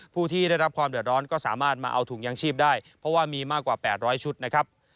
ผู้ที่ได้รับความเดือดร้อนก็สามารถมาเอาถุงยางชีพได้เพราะว่ามีมากกว่า๘๐๐ชุดนะครับ